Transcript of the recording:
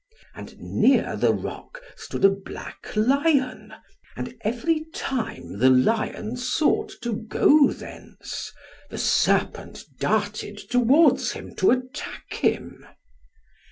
And near the rock, stood a black lion, and every time the lion sought to go thence, the serpent darted towards him to attack him.